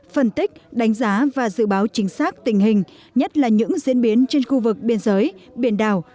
phân tích đánh giá và dự báo chính xác tình hình nhất là những diễn biến trên khu vực biên giới biển đảo